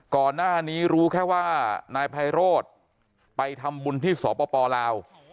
ก่อนหน้านี้รู้แค่ว่านายไพโรธไปทำบุญที่สปลาว